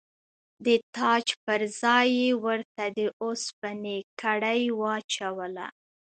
د تاج پر ځای یې ورته د اوسپنې کړۍ واچوله.